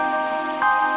masih gak bisa